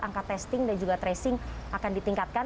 angka testing dan juga tracing akan ditingkatkan